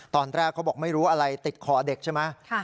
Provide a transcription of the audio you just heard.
ตอนแรกเขาบอกไม่รู้อะไรติดคอเด็กใช่ไหม